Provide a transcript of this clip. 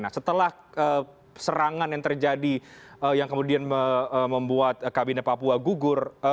nah setelah serangan yang terjadi yang kemudian membuat kabinet papua gugur